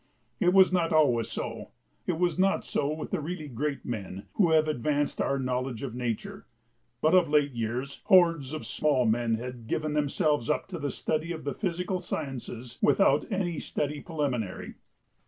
It was not always so; it was not so with the really great men who have advanced our knowledge of nature. But of late years hordes of small men have given themselves up to the study of the physical sciences without any study preliminary.